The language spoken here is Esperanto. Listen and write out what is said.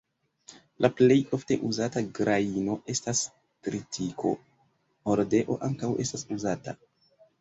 La plej ofte uzata grajno estas tritiko; hordeo ankaŭ estas uzata.